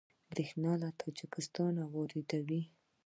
بریښنا له تاجکستان واردوي